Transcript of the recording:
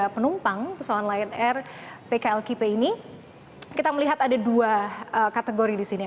penumpang pesawat lion air pklkp ini kita melihat ada dua kategori di sini